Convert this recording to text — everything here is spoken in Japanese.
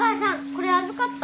これ預かった。